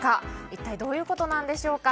一体どういうことなんでしょうか。